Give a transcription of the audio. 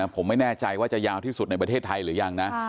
ผมไม่แน่ใจว่าจะยาวที่สุดในประเทศไทยหรือยังนะ